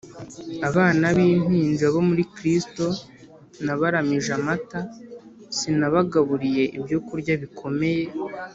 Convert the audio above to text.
abana b'impinja bo muri Kristo. Nabaramije amata, sinabagaburiye ibyo kurya bikomeye: